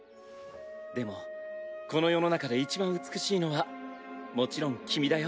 でもこの世の中でいちばん美しいのはもちろん君だよ。